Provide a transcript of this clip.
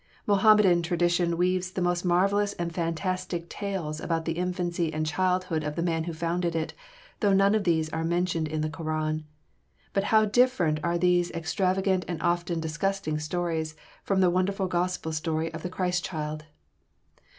Mohammedan tradition weaves the most marvelous and fantastic tales about the infancy and childhood of the man who founded it, though none of these are mentioned in the Koran. But how different are these extravagant and often disgusting stories, from the wonderful Gospel story of the Christ Child.